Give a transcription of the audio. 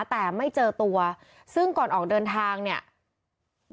แต่ไม่เจอตัวซึ่งก่อนออกเดินทางหญ้ายาดมีการจุดทูบ